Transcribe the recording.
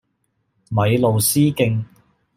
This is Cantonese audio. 米路斯徑